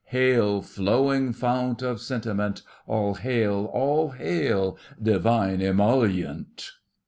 Hail, flowing fount of sentiment! All hail, all hail, divine emollient!